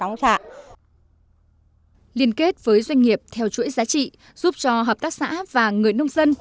giúp cho hợp tác xã và người nông dân